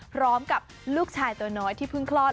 พร้อมกับลูกชายตัวน้อยที่เพิ่งคลอด